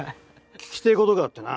聞きてえことがあってな。